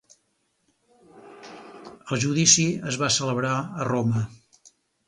El judici es va celebrar a Roma.